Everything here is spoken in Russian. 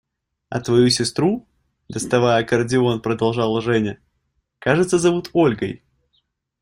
– «А твою сестру, – доставая аккордеон, продолжала Женя, – кажется, зовут Ольгой?»